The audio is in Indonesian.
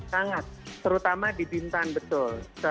sangat terutama di bintan betul